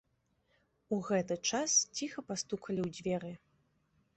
У гэты час ціха пастукалі ў дзверы.